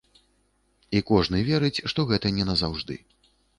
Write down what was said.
І кожны верыць, што гэта не назаўжды.